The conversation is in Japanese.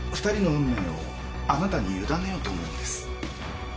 ２人の運命をあなたに委ねようと思うんです。